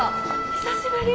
久しぶり。